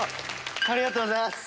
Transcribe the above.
ありがとうございます！